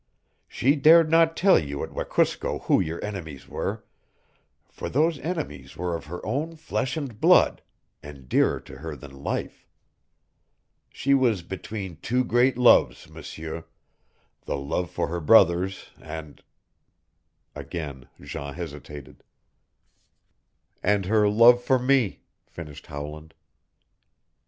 She dared not tell you at Wekusko who your enemies were, for those enemies were of her own flesh and blood, and dearer to her than life. She was between two great loves, M'seur the love for her brothers and " Again Jean hesitated. "And her love for me," finished Howland.